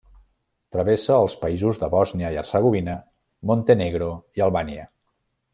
Travessa els països de Bòsnia i Hercegovina, Montenegro i Albània.